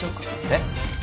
えっ！？